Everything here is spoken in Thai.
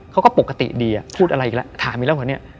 เขาก็ปกติดีพูดอะไรอีกแล้วถามอีกแล้ว